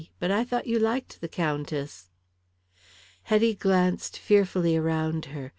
But I thought you liked the Countess." Hetty glanced fearfully around her.